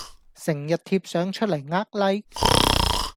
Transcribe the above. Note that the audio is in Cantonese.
成日貼相出來呃 like